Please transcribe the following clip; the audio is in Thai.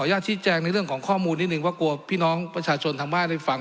อยากชี้แจงในเรื่องของข้อมูลนิดนึงว่ากลัวพี่น้องประชาชนทางบ้านได้ฟัง